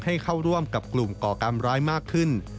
ให้เข้าร่วมกับกลุ่มก่อการร้ายมากขึ้น